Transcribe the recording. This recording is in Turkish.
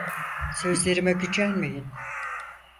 Sözlerime gücenmeyin!